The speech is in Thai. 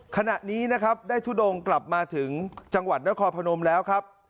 ขณะนี้นะครับได้ทุดงกลับมาถึงจังหวัดนครพนมแล้วครับ